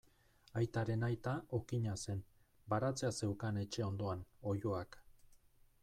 Aitaren aita okina zen, baratzea zeukan etxe ondoan, oiloak.